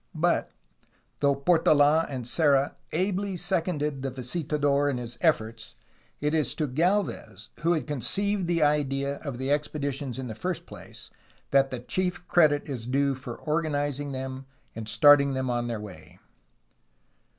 But, though Portold and Serra ably seconded the visitador in his efforts, it is to Gdlvez, who had conceived the idea of the expeditions in the first place, that the chief credit is due for organizing them and starting them on their way.